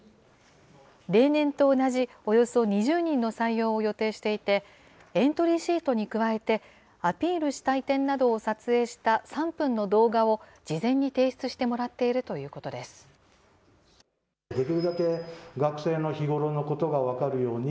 例年と同じ、およそ２０人の採用を予定していて、エントリーシートに加えて、アピールしたい点などを撮影した３分の動画を事前に提出してもらっているということです。